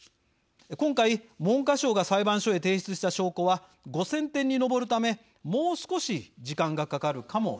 今回文科省が裁判所へ提出した証拠は５，０００点に上るためもう少し時間がかかるかもしれません。